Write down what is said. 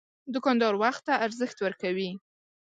دوکاندار وخت ته ارزښت ورکوي.